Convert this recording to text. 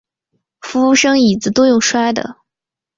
服务生椅子都用摔的